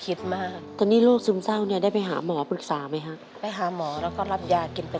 คิดว่าไม่รู้จะสู้ไปทำไง